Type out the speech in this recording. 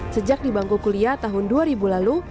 sejak di bangku kuliah tahun dua ribu lalu